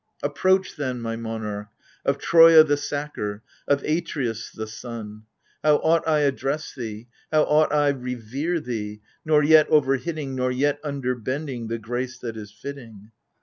Approach then, my monarch, of Troia the sacker, of Atreus the son ! How ought I address thee, how ought I revere thee, — nor yet overhitting Nor yet underbending the grace that is fitting